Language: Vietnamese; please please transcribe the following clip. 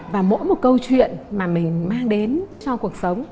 và mỗi một câu chuyện mà mình mang đến cho cuộc sống